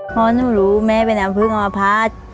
พอหนูรู้แม่เป็นน้ำพึ่งอพาร์ท